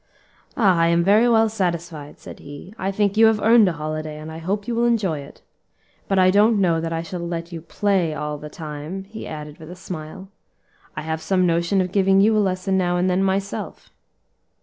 "Ah! I am very well satisfied," said he. "I think you have earned a holiday, and I hope you will enjoy it. But I don't know that I shall let you play all the time," he added with a smile; "I have some notion of giving you a lesson now and then, myself."